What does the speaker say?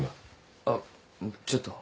あっちょっと。